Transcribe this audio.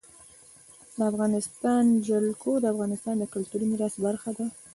د افغانستان جلکو د افغانستان د کلتوري میراث برخه ده.